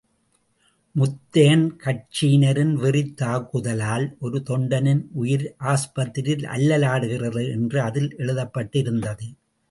முத்தையன் கட்சியினரின் வெறித் தாக்குதலால் ஒரு தொண்டனின் உயிர், ஆஸ்பத்திரியில அல்லாடுகிறது என்று அதில் எழுதப் பட்டிருந்தது.